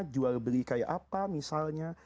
jual beli kayak apa misalnya